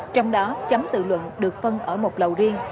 trong đó chấm tự luận được phân ở một lầu riêng